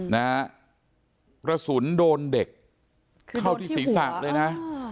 นะฮะกระสุนโดนเด็กเข้าที่ศีรษะเลยนะ